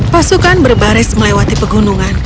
pasukan berbaris melewati pegunungan